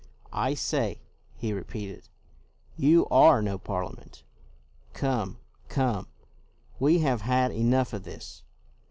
" I say," he repeated, " you are no Parliament. Come, come, we have had enough of this.